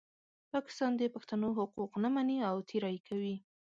پاکستان د پښتنو حقوق نه مني او تېری کوي.